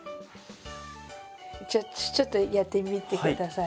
じゃあちょっとやってみて下さい。